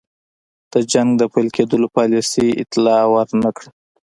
د جنګ د پیل کېدلو پالیسۍ اطلاع ور نه کړه.